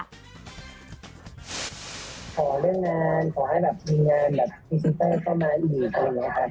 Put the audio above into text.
ขอเรื่องงานขอให้มีงานพรีเซนเตอร์เข้ามาอีก